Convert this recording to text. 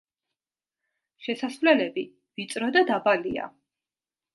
შესასვლელები ვიწრო და დაბალია.